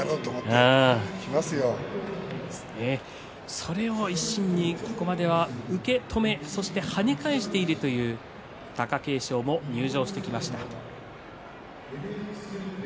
それを一身にここまでは受け止めそして跳ね返しているという貴景勝も入場してきました。